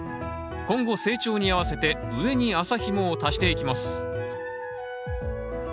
今後成長に合わせて上に麻ひもを足していきます